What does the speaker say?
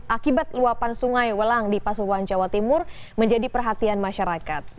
akibat luapan sungai welang di pasuruan jawa timur menjadi perhatian masyarakat